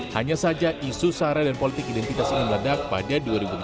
hanya saja isu sara dan politik identitas ini meledak pada dua ribu enam belas